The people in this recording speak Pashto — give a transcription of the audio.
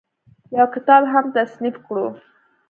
يو کتاب هم تصنيف کړو